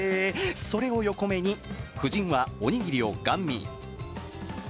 それを横目に、夫人はおにぎりをガン見。